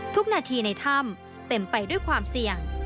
ทุกนาทีในถ้ำเต็มไปด้วยความเสี่ยง